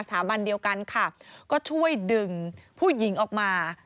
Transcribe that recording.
สถาบันเดียวกันค่ะก็ช่วยดึงผู้หญิงออกมา